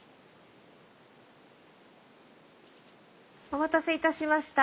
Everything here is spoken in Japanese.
お待たせいたしました。